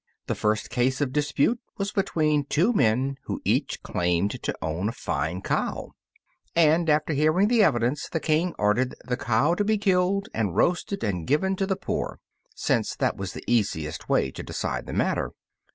The first case of dispute was between two men who each claimed to own a fine cow, and after hearing the evidence, the King ordered the cow to be killed and roasted and given to the poor, since that was the easiest way to decide the matter.